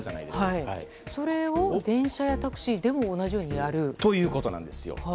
それを電車やタクシーでもということなんですよ。